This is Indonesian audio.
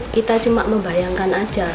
kita cuma membayangkan aja